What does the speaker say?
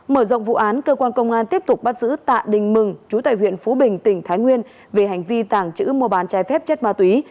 mở rộng vụ án cơ quan công an tiếp tục bắt giữ tạ đình mừng chú tại huyện phú bình tỉnh thái nguyên về hành vi tàng trữ mua bán trái phép chất ma túy